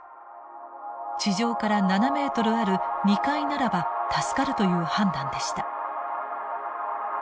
地上から７ｍある２階ならば助かるという判断でした。